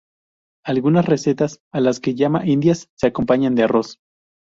Algunas recetas, a las que llama "indias", se acompañan de arroz.